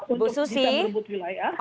untuk kita merebut wilayah